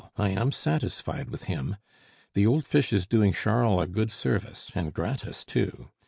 I am satisfied with him. The old fish is doing Charles a good service, and gratis too.